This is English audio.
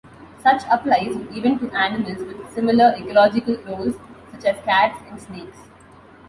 Such applies even to animals with similar ecological roles such as cats and snakes.